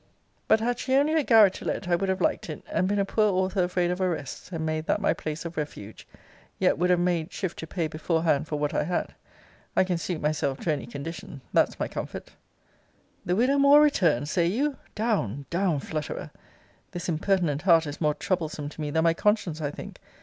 But had she only a garret to let, I would have liked it; and been a poor author afraid of arrests, and made that my place of refuge; yet would have made shift to pay beforehand for what I had. I can suit myself to any condition, that's my comfort. The widow Moore returned! say you? Down, down, flutterer! This impertinent heart is more troublesome to me than my conscience, I think.